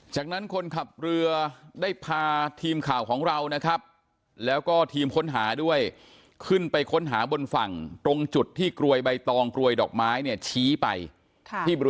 จากนั้นคนขับเรือได้พาทีมข่าวของเรานะครับแล้วก็ทีมค้นหาด้วยขึ้นไปค้นหาบนฝั่งตรงจุดที่กรวยใบตองกรวยดอกไม้เนี่ยชี้ไปที่บร